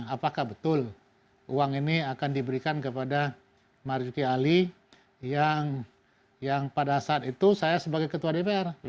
apakah betul uang ini akan diberikan kepada marzuki ali yang pada saat itu saya sebagai ketua dpr